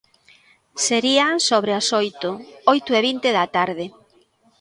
Serían sobre as oito, oito e vinte da tarde.